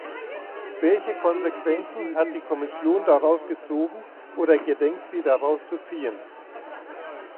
Welche Konsequenzen hat die Kommission daraus gezogen oder gedenkt sie daraus zu ziehen?